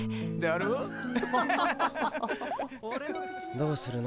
どうするの？